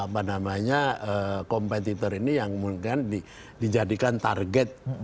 pengaruhnya kompetitor ini yang mungkin dijadikan target